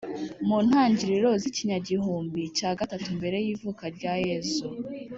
mu ntangiriro z ikinyagihumbi cya gatatu mbere y ivuka rya Yezu